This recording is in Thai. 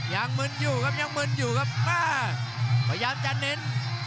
มึนอยู่ครับยังมึนอยู่ครับมาพยายามจะเน้น